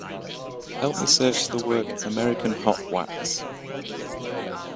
Help me search the work, American Hot Wax.